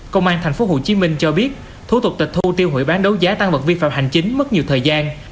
công an tp hcm cho biết thủ tục tịch thu tiêu hủy bán đấu giá tăng vật vi phạm hành chính mất nhiều thời gian